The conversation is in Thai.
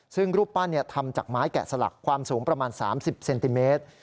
ซึ่งรูปปั้นทำจากไม้แกะสลักความสูงประมาณ๓๐เซนติเมตร